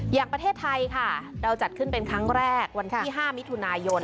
อย่างประเทศไทยค่ะเราจัดขึ้นเป็นครั้งแรกวันที่๕มิถุนายน